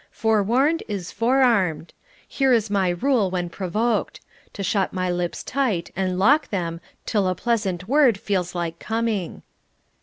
Forewarned is forearmed. Here is my rule when provoked: To shut my lips tight and lock them till a pleasant word feels like coming."